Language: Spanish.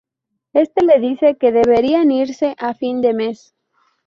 Éste les dice que deberían irse a fin de mes.